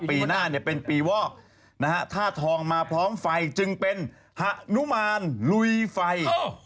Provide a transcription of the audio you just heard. ปีหน้าเป็นปีวอกธาตุทองมาพร้อมไฟจึงเป็นหะนุมารลุยไฟ